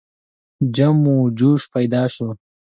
جم و جوش پیدا شو.